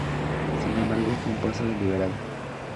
Sin embargo, fue un paso deliberado.